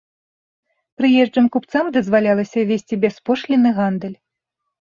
Прыезджым купцам дазвалялася весці бяспошлінны гандаль.